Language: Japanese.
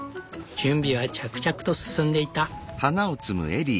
準備は着々と進んでいった。